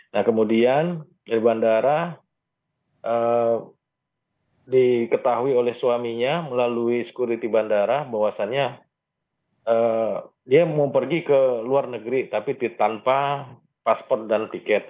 nah kemudian dari bandara diketahui oleh suaminya melalui security bandara bahwasannya dia mau pergi ke luar negeri tapi tanpa paspor dan tiket